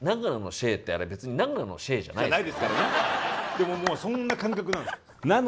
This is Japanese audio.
でももうそんな感覚なんです。